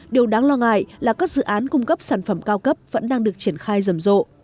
điều đáng lo ngại là các dự án cung cấp sản phẩm cao cấp vẫn đang được triển khai rầm rộ